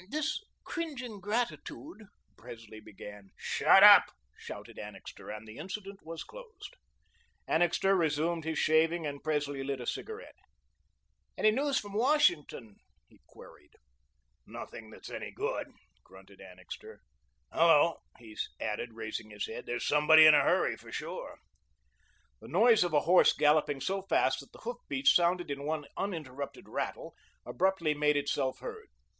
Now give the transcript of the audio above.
"This cringing gratitude " Presley began. "Shut up," shouted Annixter, and the incident was closed. Annixter resumed his shaving, and Presley lit a cigarette. "Any news from Washington?" he queried. "Nothing that's any good," grunted Annixter. "Hello," he added, raising his head, "there's somebody in a hurry for sure." The noise of a horse galloping so fast that the hoof beats sounded in one uninterrupted rattle, abruptly made itself heard.